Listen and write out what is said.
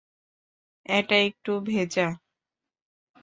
এটা একটু ভেজা?